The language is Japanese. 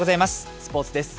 スポーツです。